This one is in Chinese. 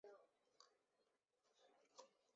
东急多摩川线营运的铁路线。